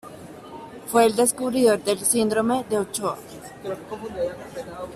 Fue el descubridor del Síndrome de Ochoa.